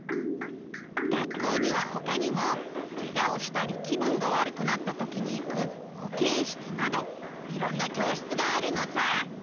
学校にはほかにもケガをしたり気分がわるくなったときに行くほけん室などいろんな教室があるのさ。